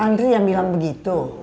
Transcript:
andri yang bilang begitu